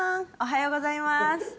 おはようございます。